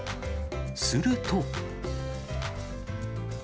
すると。